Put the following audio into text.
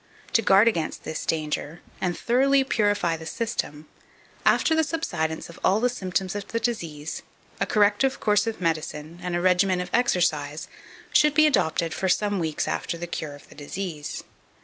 To guard against this danger, and thoroughly purify the system, after the subsidence of all the symptoms of the disease, a corrective course of medicine, and a regimen of exercise, should be adopted for some weeks after the cure of the disease.